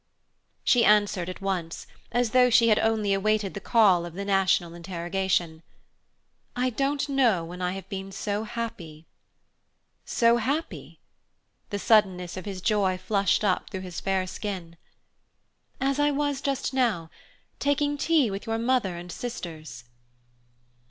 She answered at once as though she had only awaited the call of the national interrogation "I don't know when I have been so happy." "So happy?" The suddenness of his joy flushed up through his fair skin. "As I was just now taking tea with your mother and sisters."